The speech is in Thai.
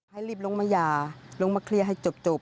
ให้รีบลงมาหย่าลงมาเคลียร์ให้จบ